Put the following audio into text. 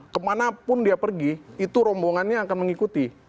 kemanapun dia pergi itu rombongannya akan mengikuti